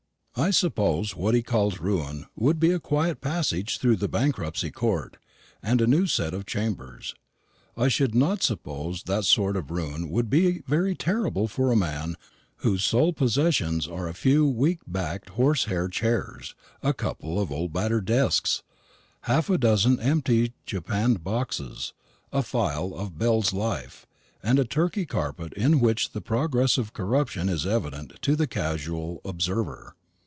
I suppose what he calls ruin would be a quiet passage through the Bankruptcy Court, and a new set of chambers. I should not suppose that sort of ruin would be very terrible for a man whose sole possessions are a few weak backed horsehair chairs, a couple of battered old desks, half a dozen empty japanned boxes, a file of Bell's Life, and a Turkey carpet in which the progress of corruption is evident to the casual observer.